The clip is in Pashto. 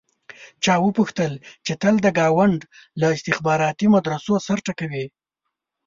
چا وپوښتل چې تل د ګاونډ له استخباراتي مدرسو سر ټکوې.